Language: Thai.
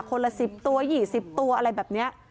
ละ๑๐ตัว๒๐ตัวอะไรแบบนี้